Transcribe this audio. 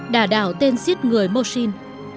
đà đạo tên giết người mô xin